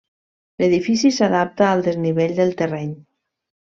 L'edifici s'adapta al desnivell del terreny.